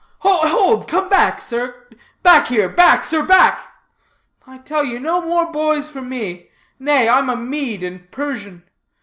Hold, come back, sir; back here, back, sir, back! I tell you no more boys for me. Nay, I'm a Mede and Persian.